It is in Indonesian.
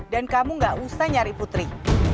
dan kamu gak usah nyari putri